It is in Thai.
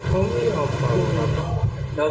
แล้วก็คือมีเป็นอะไรเขาไม่เขาเลยบอก